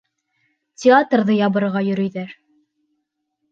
Театрҙы ябырға йөрөйҙәр!